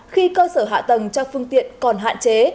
khi cơ sở hạ tầng cho phương tiện còn hạn chế